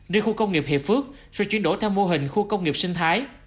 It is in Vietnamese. riêng khu công nghiệp hiệp phước sẽ chuyển đổi theo mô hình khu công nghiệp sinh thái